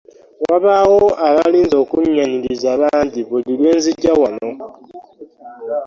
Wabaawo abalinze okunnyaniriza bangi buli lwe nzija wano.